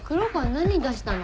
何出したの？